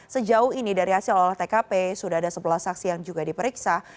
sejauh ini dari hasil olah tkp sudah ada sebelas saksi yang juga diperiksa